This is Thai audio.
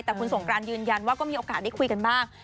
แต่คุณสงกรานยืนยันว่าก็มีโอกาสได้คุยกันบ้าง